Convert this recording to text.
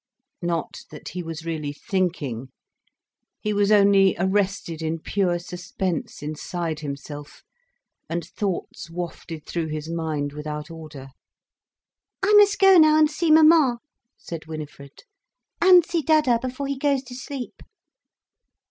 Not that he was really thinking—he was only arrested in pure suspense inside himself, and thoughts wafted through his mind without order. "I must go now and see Mama," said Winifred, "and see Dadda before he goes to sleep."